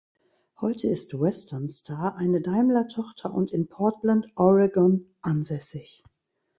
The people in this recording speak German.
Heute ist Western Star eine Daimler-Tochter und in Portland, Oregon ansässig.